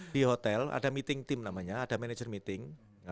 di hotel ada meeting team namanya ada manager meeting